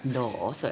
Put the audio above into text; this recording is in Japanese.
それ。